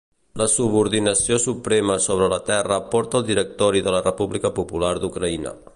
La subordinació suprema sobre la terra porta el Directori de la República Popular d'Ucraïna.